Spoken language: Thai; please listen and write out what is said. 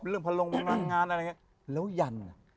เป็นเรื่องพันลงบางรางงานอะไรอย่างนี้